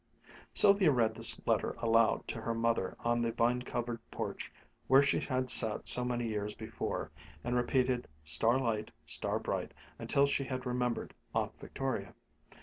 Sylvia read this letter aloud to her mother on the vine covered porch where she had sat so many years before, and repeated "star light, star bright" until she had remembered Aunt Victoria.